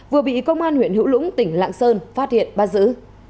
vừa bị công an huyện hữu lũng tỉnh lạng sơn phát hiện bắt giữ